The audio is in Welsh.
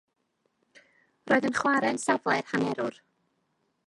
Roedd yn chwarae yn safle'r hanerwr.